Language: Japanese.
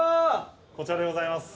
こちらでございます。